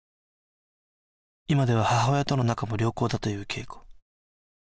今では母親との仲も良好だという恵子